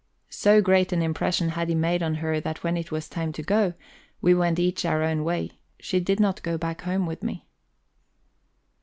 So great an impression had he made on her that, when it was time to go, we went each our own way; she did not go back home with me.